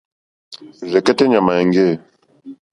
Rzɛ̀kɛ́tɛ́ ɲàmà èŋɡê.